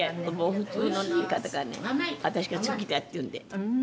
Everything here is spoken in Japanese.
普通の方がね私が「好きだ」って言うんで。